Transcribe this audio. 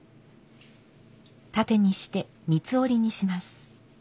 縦にして三つ折りにします。